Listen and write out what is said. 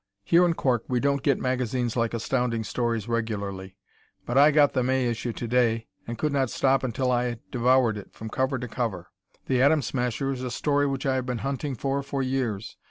Here in Cork we don't get magazines like Astounding Stories regularly, but I got the May issue to day and could not stop until I had devoured it from cover to cover. "The Atom Smasher" is a story which I have been hunting for for years.